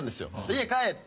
「家帰って。